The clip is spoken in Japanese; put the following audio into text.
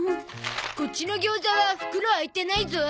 こっちの餃子は袋開いてないゾ。